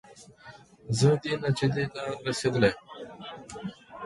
زه دې نتیجې ته رسېدلی یم.